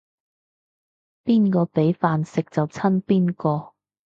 邊個畀飯食就親邊個